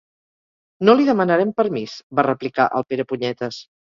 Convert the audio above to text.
No li demanarem permís —va replicar el Perepunyetes—.